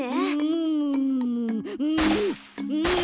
うんうんうん！